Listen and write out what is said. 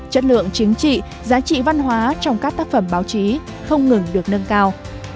chất lượng chính trị giá trị văn hóa trong các tác phẩm báo chí không ngừng được nâng cao